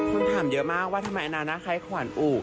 คุณถามเยอะมากว่าทำไมอันน่าน่าคล้ายขวัญอู่